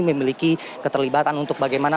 memiliki keterlibatan untuk bagaimana